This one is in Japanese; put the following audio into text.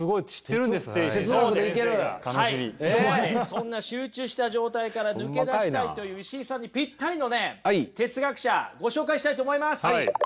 そんな集中した状態から抜け出したいという石井さんにピッタリのね哲学者ご紹介したいと思います。